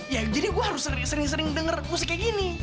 ya jadi gue harus sering sering dengar musik kayak gini